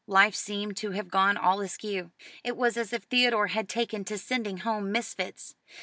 Life seemed to have gone all askew. It was as if Theodore had taken to sending home misfits.